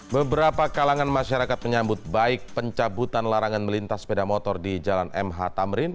beberapa kalangan masyarakat menyambut baik pencabutan larangan melintas sepeda motor di jalan mh tamrin